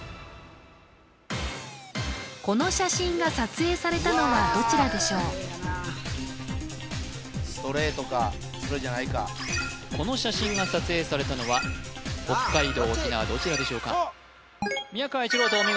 この写真が撮影されたのはどちらでしょうストレートかそれじゃないかこの写真が撮影されたのは北海道沖縄どちらでしょうか宮川一朗太